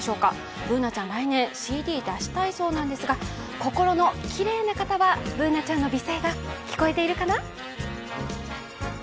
Ｂｏｏｎａちゃん、来年ＣＤ出したいそうなんですが心のきれいな方はＢｏｏｎａちゃんの美声が聞こえているかな？